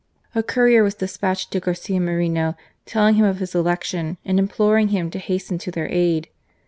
A courier was despatched to Garcia Moreno telling him of his election and imploring him to hasten to their aid.